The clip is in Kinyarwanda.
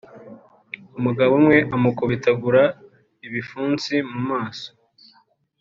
umugabo umwe amukubitagura ibipfunsi mu maso